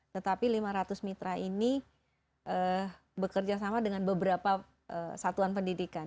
tetapi lima ratus mitra ini bekerja sama dengan beberapa satuan pendidikan